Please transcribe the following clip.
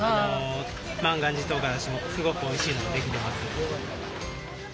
万願寺とうがらしもすごくおいしいのが出来てます。